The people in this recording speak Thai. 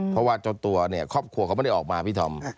เพราะว่าเจ้าตัวเนี่ยครอบครัวเขาไม่ได้ออกมาพี่ธอม